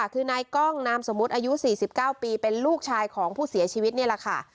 คือนายกล้องนามสมมุติอายุ๔๙ปีเป็นลูกชายของผู้เสียชีวิตนี่แหละค่ะ